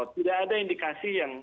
tidak ada indikasi yang